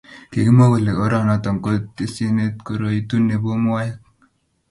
Kikimwa kole oranoto ko tesiene koroito ne bo moek.